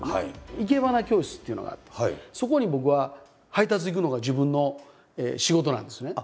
生け花教室っていうのがあってそこに僕は配達行くのが自分の仕事なんですね。